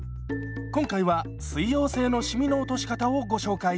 今回は水溶性のシミの落とし方をご紹介します。